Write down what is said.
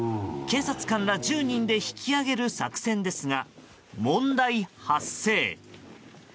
警察官ら１０人で引き上げる作戦ですが問題発生。